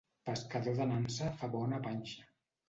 Pescador de nansa fa bona panxa.